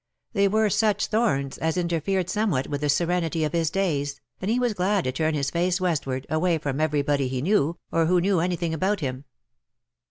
They were such thorns as interfered somewhat with the serenity of his days, and he was glad to turn his face west ward, away from everybody he knew, or who knew anything about him.